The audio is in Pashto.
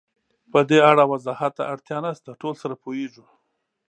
پدې اړه وضاحت ته اړتیا نشته، ټول سره پوهېږو.